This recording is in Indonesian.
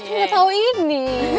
gak tau ini